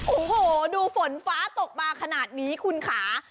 โอ้โหดูฝนฟ้าตกมาขนาดนี้คุณค่ะ